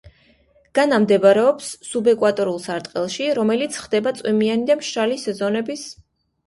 განა მდებარეობს სუბეკვატორულ სარტყელში, რომელშიც ხდება წვიმიანი და მშრალი სეზონების მუდმივი მონაცვლეობა.